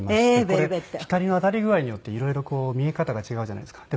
これ光の当たり具合によって色々こう見え方が違うじゃないですか。